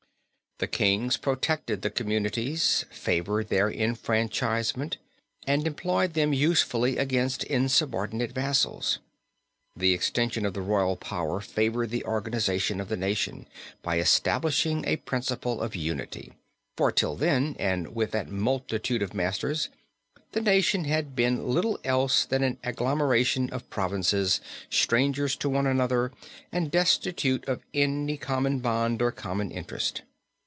The kings protected the communities, favored their enfranchisement, and employed them usefully against insubordinate vassals. The extension of the royal power favored the organization of the nation, by establishing a principle of unity, for till then, and with that multitude of masters, the nation had been little else than an agglomeration of provinces, strangers to one another, and destitute of any common bond or common interest.